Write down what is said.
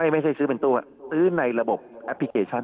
ไม่ใช่ซื้อเป็นตู้ซื้อในระบบแอปพลิเคชัน